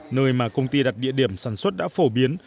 nơi mà công ty đặt địa điểm sản xuất đã phổ biến